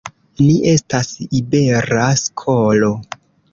Ni estas Ibera Skolo.